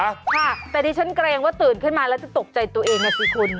ค่ะแต่ดิฉันเกรงว่าตื่นขึ้นมาแล้วจะตกใจตัวเองนะสิคุณ